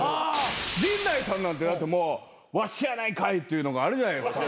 陣内さんなんてもう「ワシやないかい！」っていうのがあるじゃないですか。